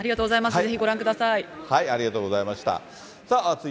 ぜひご覧ください。